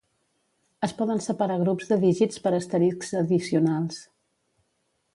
Es poden separar Grups de dígits per asteriscs addicionals.